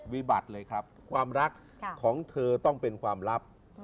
วิบัติเลยครับความรักของเธอต้องเป็นความลับ